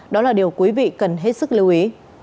đó là điều quý vị cần hết sức lưu ý